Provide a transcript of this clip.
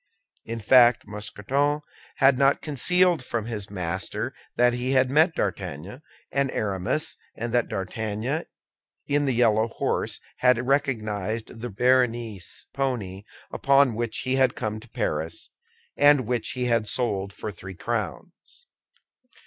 In fact, Mousqueton had not concealed from his master that he had met D'Artagnan and Aramis, and that D'Artagnan in the yellow horse had recognized the Béarnese pony upon which he had come to Paris, and which he had sold for three crowns.